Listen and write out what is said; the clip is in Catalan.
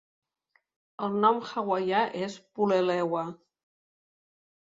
El nom hawaià és pulelehua.